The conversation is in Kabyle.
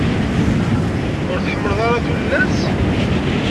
Ur tḥemmleḍ ara tullas?